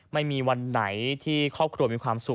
ไม่มีวันไหนที่ครอบครัวมีความสุข